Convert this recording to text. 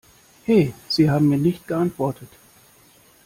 He, Sie haben mir nicht geantwortet!